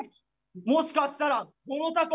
もしかしたらこのタコ。